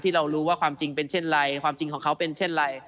เรารู้ว่าความจริงเป็นเช่นไรความจริงของเขาเป็นเช่นไร